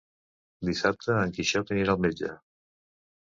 Dissabte en Quixot anirà al metge.